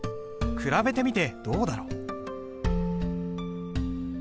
比べてみてどうだろう。